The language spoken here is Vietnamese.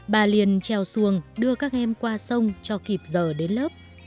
bà liền treo xuồng đưa các em qua sông cho kịp giờ đến lớp